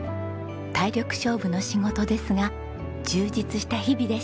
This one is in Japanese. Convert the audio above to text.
体力勝負の仕事ですが充実した日々でした。